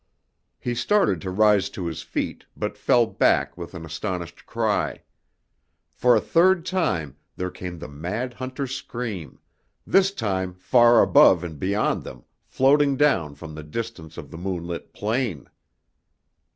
He started to rise to his feet but fell back with an astonished cry. For a third time there came the mad hunter's scream, this time far above and beyond them, floating down from the distance of the moon lit plain!